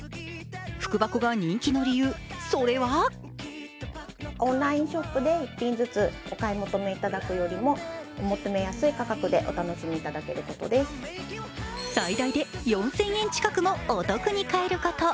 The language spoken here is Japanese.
福箱が人気の理由、それは最大で４０００円近くもお得に買えること。